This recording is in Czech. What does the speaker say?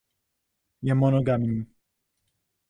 Je monogamní.